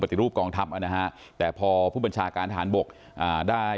ติรูปกองทัพนะฮะแต่พอผู้บัญชาการทหารบกได้